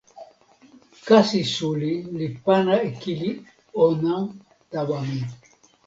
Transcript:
kasi suli li pana e kili ona tawa mi.